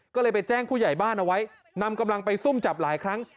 ก็เลยไปแจ้งผู้ใหญ่บ้านเอาไว้นำกำลังไปซุ่มจับหลายครั้ง